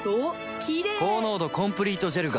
キレイ高濃度コンプリートジェルが